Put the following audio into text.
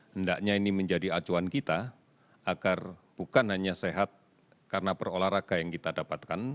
hendaknya ini menjadi acuan kita agar bukan hanya sehat karena perolahraga yang kita dapatkan